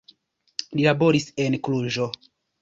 Li laboris en Kluĵo.